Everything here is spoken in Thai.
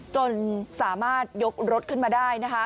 จนสามารถยกรถขึ้นมาได้นะคะ